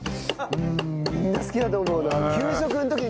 うんみんな好きだと思うな。